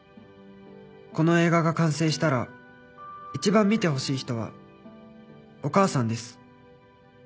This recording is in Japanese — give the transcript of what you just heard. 「この映画が完成したら一番観て欲しい人はお母さんです」